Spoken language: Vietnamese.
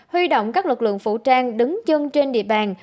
huy động các lực lượng vũ trang đứng chân trên địa bàn